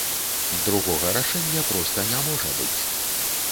Другога рашэння проста не можа быць.